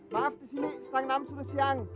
maaf disini setengah enam sudah siang